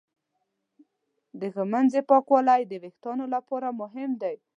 د ږمنځې پاکوالی د وېښتانو لپاره مهم دی.